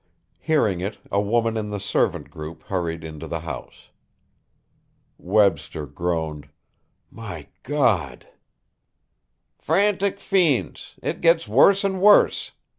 Hearing it, a woman in the servant group hurried into the house. Webster groaned: "My God!" "Frantic fiends! It gets worse and worse!"